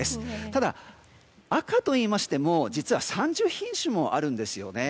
ただ、赤といいましても実は３０品種もあるんですよね。